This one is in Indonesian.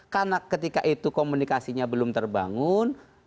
karena ketika itu komunikasinya belum terbangun